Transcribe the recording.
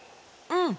うん！